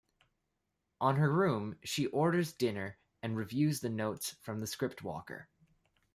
On her room she orders dinner and reviews the notes from the scriptwalker.